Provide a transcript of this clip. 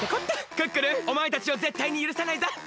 クックルンおまえたちをぜったいにゆるさないぞ！